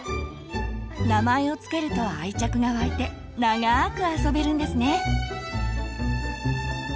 名前をつけると愛着が湧いてながく遊べるんですね。